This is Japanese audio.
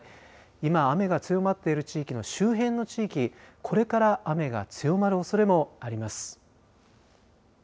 今、雨が強まっている地域の周辺の地域これから雨が強まるおそれもあります。